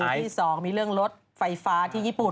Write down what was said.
ที่๒มีเรื่องรถไฟฟ้าที่ญี่ปุ่น